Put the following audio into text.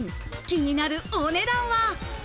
気になるお値段は。